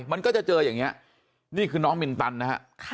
มันก็จะเจออย่างนี้นี่คือน้องมินตันนะฮะ